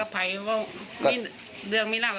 ว่าเรื่องไม่รักก็ไป